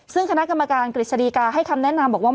ซึ่งคณะกรรมการกฤษฎีกาให้คำแนะนำบอกว่า